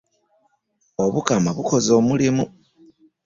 Obukama bukoze omulimu.